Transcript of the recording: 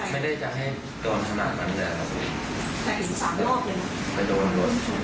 ไม่ได้จังให้กรณฑมันนะครับ